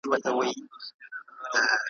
چې تقصیر د خپلو ماتو پر مغل ږدي.